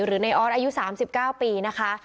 หรือในออสอายุ๓๙ปีนะคะ